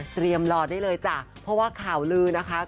รอได้เลยจ้ะเพราะว่าข่าวลือนะคะ